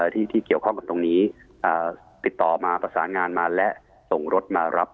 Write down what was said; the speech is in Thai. ที่เกี่ยวข้องกับตรงนี้ติดต่อมาประสานงานมาและส่งรถมารับ